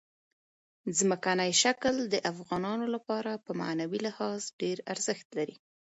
ځمکنی شکل د افغانانو لپاره په معنوي لحاظ ډېر ارزښت لري.